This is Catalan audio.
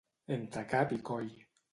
Entre cap i coll.